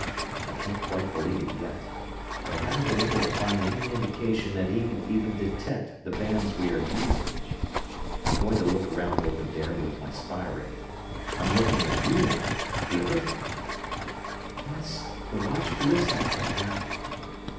I can't quite believe it yet, but I haven't been able to find any indication that he can even detect the bands we are using. I'm going to look around over there with my spy ray ... I'm looking at you now feel it?" "Yes, the watch feels that way, now."